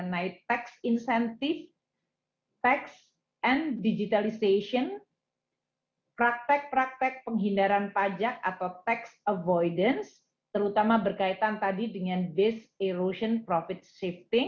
di sini akan dibahas berbagai proses